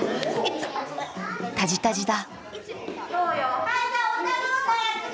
タジタジだ。